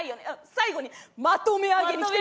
最後にまとめ上げに来てるよね。